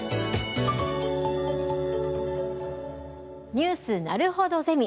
「ニュースなるほどゼミ」。